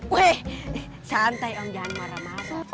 weh santai om jangan marah marah